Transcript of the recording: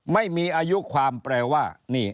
ไม่มีอายุความแปลว่านี่